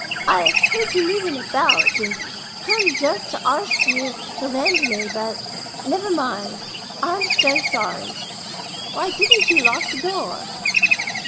I heard you moving about, and come just to arst you to lend me but never mind, I'm so sorry; why didn't you lock the door?"